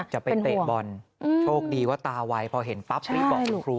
จะไปเตะบอลโชคดีว่าตาไวพอเห็นปั๊บรีบบอกคุณครู